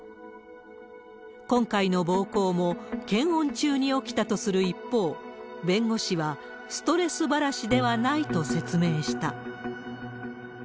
今回の暴行も、検温中に起きたとする一方、弁護士はストレス晴らしではないと説明した。